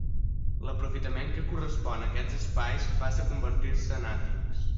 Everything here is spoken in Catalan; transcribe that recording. L'aprofitament que correspon a aquests espais passa a convertir-se en àtics.